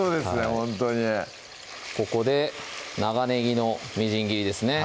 ほんとにここで長ねぎのみじん切りですね